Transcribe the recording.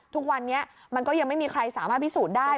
ทุกวันนี้มันก็ยังไม่มีใครสามารถพิสูจน์ได้